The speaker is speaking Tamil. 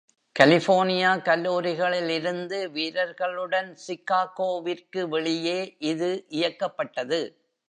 கலிபோர்னியா கல்லூரிகளில் இருந்து வீரர்களுடன் சிகாகோவிற்கு வெளியே இது இயக்கப்பட்டது.